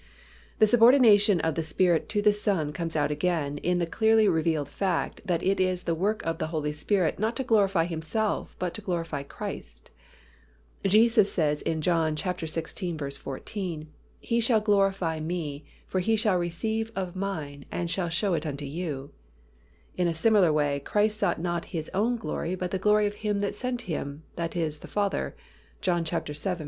The subordination of the Spirit to the Son comes out again in the clearly revealed fact that it is the work of the Holy Spirit not to glorify Himself but to glorify Christ. Jesus says in John xvi. 14, "He shall glorify Me: for He shall receive of Mine, and shall shew it unto you." In a similar way, Christ sought not His own glory, but the glory of Him that sent Him, that is the Father (John vii.